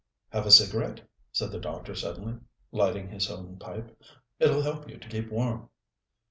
"Have a cigarette?" said the doctor suddenly, lighting his own pipe. "It'll help you to keep warm."